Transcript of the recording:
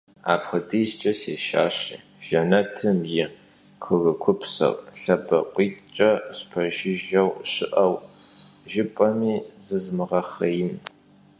Apxuedizç'e sêşşaşi Jjenetım yi kurıkupser lhebakhuitç'e spejjıjjeu şı'eu jjıp'emi zızmığexhêin.